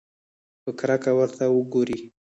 په کرکه ورته وګوري.